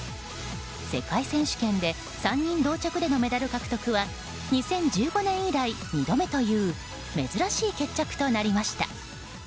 世界選手権で３人同着でのメダル獲得は２０１５年以来２度目という珍しい決着となりました。